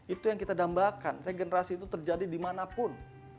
itu yang kita dambakan regenerasi itu terjadi dimanapun